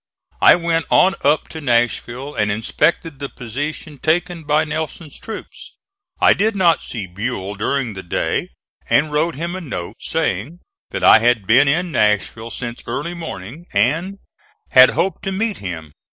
I went on up to Nashville and inspected the position taken by Nelson's troops. I did not see Buell during the day, and wrote him a note saying that I had been in Nashville since early morning and had hoped to meet him.